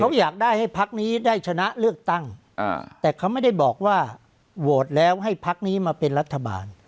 เขาอยากได้ให้พักนี้ได้ชนะเลือกตั้งแต่เขาไม่ได้บอกว่าโหวตแล้วให้พักนี้มาเป็นรัฐบาล